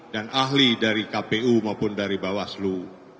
dan ahli dari kpu maupun dari bawaslu